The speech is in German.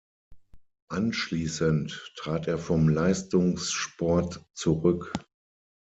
Anschließend trat er vom Leistungssport zurück.